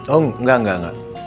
oh engga engga engga